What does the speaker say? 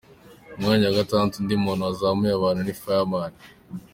umwanya wa gatatu undi muntu wazamuye abantu ni Fireman.